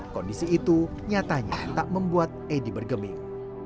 kondisi itu nyatanya tak membuat edi bergeming